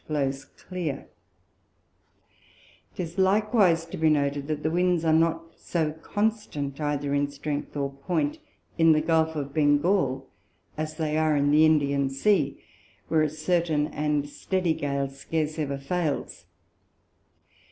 blows clear; 'tis likewise to be noted, that the Winds are not so constant, either in strength or point in the Gulph of Bengall, as they are in the Indian Sea, where a certain and steady Gale scarce ever fails.